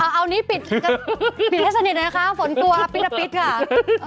เออเอานี้ปิดกันปิดให้สนิทนะคะฝนตัวปิ๊ดค่ะ